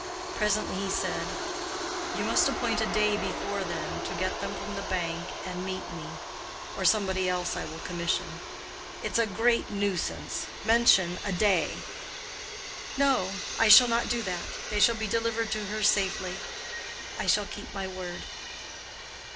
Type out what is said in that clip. Presently he said, "You must appoint a day before then, to get them from the bank and meet me—or somebody else I will commission;—it's a great nuisance. Mention a day." "No; I shall not do that. They shall be delivered to her safely. I shall keep my word."